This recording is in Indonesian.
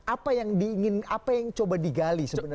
apa yang diingin apa yang coba digali sebenarnya